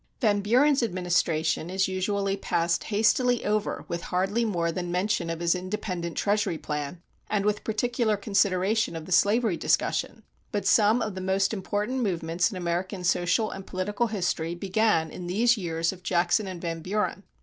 Van Buren's administration is usually passed hastily over with hardly more than mention of his Independent Treasury plan, and with particular consideration of the slavery discussion. But some of the most important movements in American social and political history began in these years of Jackson and Van Buren.